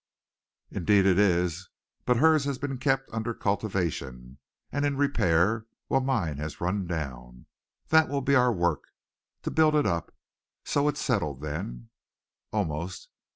"Indeed it is. But hers has been kept under cultivation and in repair, while mine has run down. That will be our work, to build it up. So it's settled then?" "Almost.